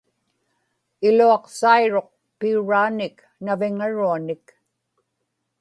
iluaqsairuq piuraanik naviŋaruanik